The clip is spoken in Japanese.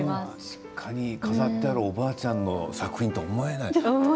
実家に飾ってあるおばあちゃんの作品とは思えない。